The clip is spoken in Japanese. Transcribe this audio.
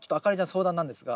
相談なんですが。